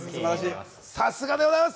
さすがでございます。